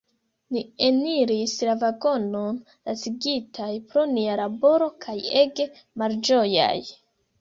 Ni eniris la vagonon lacigitaj pro nia laboro kaj ege malĝojaj.